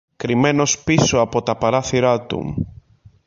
Κρυμμένος πίσω από τα παράθυρα του